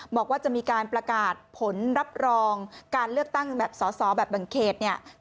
บอกว่าจะมีการประกาศผลรับรองการเลือกตั้งแบบสอสอแบบแบ่งเขตเนี่ย